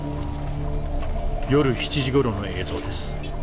夜７時ごろの映像です。